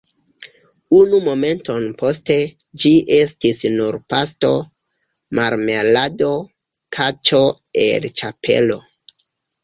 Unu momenton poste, ĝi estis nur pasto, marmelado, kaĉo el ĉapelo!